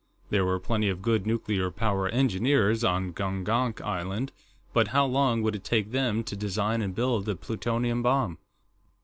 There were plenty of good nuclear power engineers on Gongonk Island, but how long would it take them to design and build a plutonium bomb?